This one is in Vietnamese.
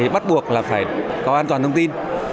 bắt buộc phải có an toàn thông tin